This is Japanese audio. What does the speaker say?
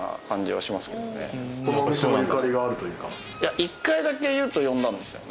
１回だけ裕翔呼んだんですよね。